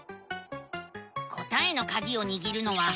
答えのカギをにぎるのはえら。